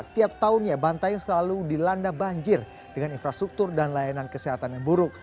tiap tahunnya bantai selalu dilanda banjir dengan infrastruktur dan layanan kesehatan yang buruk